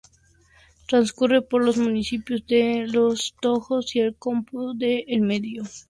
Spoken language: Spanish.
Transcurre por los municipios de Los Tojos y Campoo de Enmedio.